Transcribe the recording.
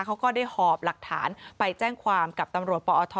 เขาก็ได้หอบหลักฐานไปแจ้งความกับตำรวจปอท